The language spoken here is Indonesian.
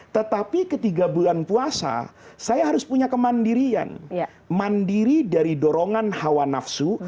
tetapi ketika bulan puasa saya harus punya kemandirian mandiri dari dorongan hawa nafsu